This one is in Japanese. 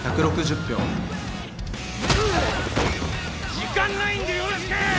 時間ないんでよろしく！